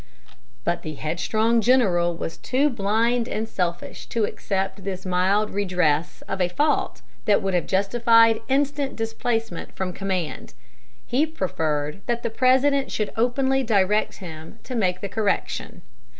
But the headstrong general was too blind and selfish to accept this mild redress of a fault that would have justified instant displacement from command. He preferred that the President should openly direct him to make the correction.